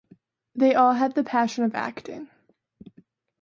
They all had the passion of acting.